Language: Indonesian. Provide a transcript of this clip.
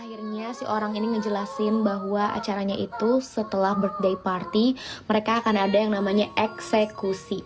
akhirnya si orang ini ngejelasin bahwa acaranya itu setelah bird day party mereka akan ada yang namanya eksekusi